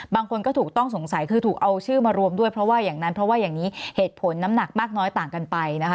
บางคนก็ถูกต้องสงสัยคือถูกเอาชื่อมารวมด้วยเพราะว่าอย่างนั้นเพราะว่าอย่างนี้เหตุผลน้ำหนักมากน้อยต่างกันไปนะคะ